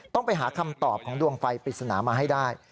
ต้องไปหาคำตอบของดวงไฟปริศนามาให้ได้